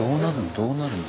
どうなんの？